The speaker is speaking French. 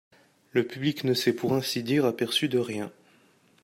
Le public ne s'est pour ainsi dire aperçu de rien.